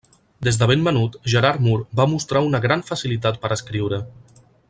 Des de ben menut, Gerard Mur va mostrar una gran facilitat per a escriure.